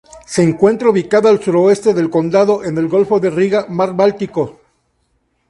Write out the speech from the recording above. Se encuentra ubicada al suroeste del condado, en el golfo de Riga, mar Báltico.